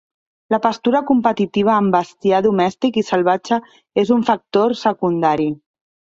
La pastura competitiva amb bestiar domèstic i salvatge és un factor secundari.